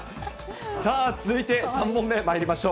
さあ、続いて３問目まいりましょう。